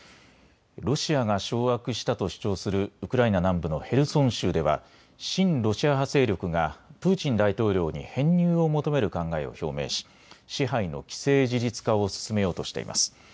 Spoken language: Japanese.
ロシアが掌握したと主張するウクライナ南部のヘルソン州では親ロシア派勢力がプーチン大統領に編入を求める考えを表明し支配の既成事実化を進めようとしています。